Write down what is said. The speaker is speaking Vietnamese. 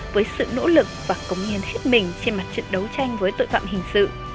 với sự nỗ lực và công nghiên thiết mình trên mặt trận đấu tranh với tội phạm hình sự